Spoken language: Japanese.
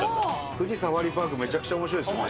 富士サファリパークめちゃくちゃ面白いですよね。